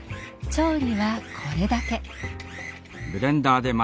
調理はこれだけ。